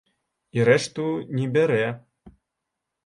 І рэшту не бярэ.